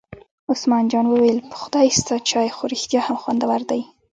عثمان جان وویل: په خدای ستا چای خو رښتیا هم خوندور دی.